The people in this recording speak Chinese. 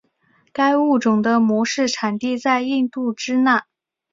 该物种的模式产地在印度支那。